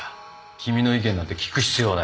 君の意見なんて聞く必要はない。